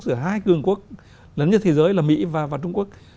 giữa hai cường quốc lớn nhất thế giới là mỹ và trung quốc